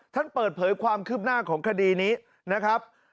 ท่านเปิดเผยความคืบหน้าของคดีนี้นะครับ